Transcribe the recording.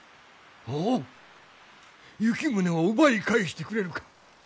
おおっ行宗を奪い返してくれるか？